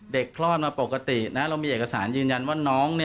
คลอดมาปกตินะเรามีเอกสารยืนยันว่าน้อง